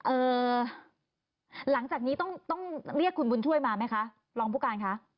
เอ่อหลังจากนี้ต้องต้องเรียกคุณบุญช่วยมาไหมคะรองผู้การคะ